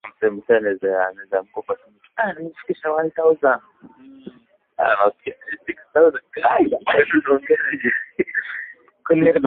Aliyekuwa Rais wa Tanzania John Magufuli aliomba ridhaa ndani ya Chama chake